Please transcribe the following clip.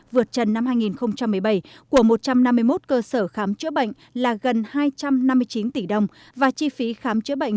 vượt trần năm hai nghìn một mươi bảy của một trăm năm mươi một cơ sở khám chữa bệnh là gần hai trăm năm mươi chín tỷ đồng và chi phí khám chữa bệnh